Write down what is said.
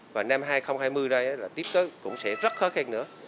và năm hai nghìn hai mươi tiếp tới cũng sẽ rất khó khăn nữa